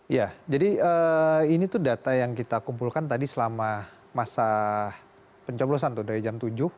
ya jadi ini tuh data yang kita kumpulkan tadi selama masa pencoblosan tuh dari jam tujuh